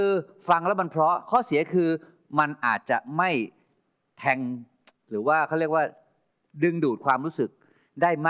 ใช่ไหมใช่ไหมใช่ไหม